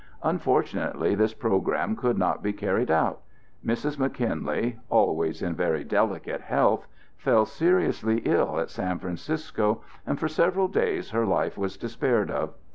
Unfortunately this programme could not be carried out. Mrs. McKinley, always in very delicate health, fell seriously ill at San Francisco, and for several days her life was despaired of.